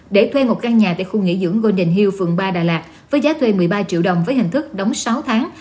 để thuê một căn nhà tại khu nghỉ dưỡng gude hu phường ba đà lạt với giá thuê một mươi ba triệu đồng với hình thức đóng sáu tháng